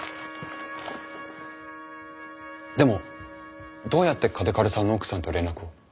でもどうやって嘉手刈さんの奥さんと連絡を？